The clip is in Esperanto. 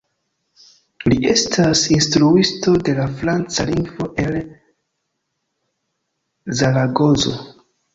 Li estas instruisto de la franca lingvo el Zaragozo.